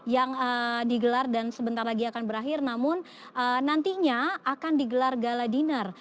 yang digelar dan sebentar lagi akan berakhir namun nantinya akan digelar gala dinner